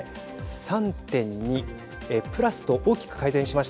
３．２プラスと大きく改善しました。